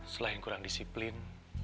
selain kurang disiplin